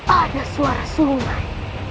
ada suara sungai